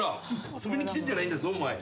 遊びに来てんじゃないんだぞお前。